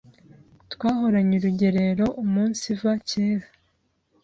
twahoranye Urugerero umunsiva kera,